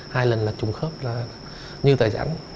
hai lần là trùng khớp như tài sản